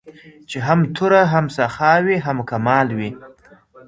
چي هم توره هم سخا وي هم کمال وي